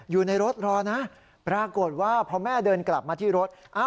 อยู่ในรถรอนะปรากฏว่าพอแม่เดินกลับมาที่รถ